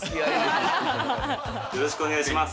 よろしくお願いします。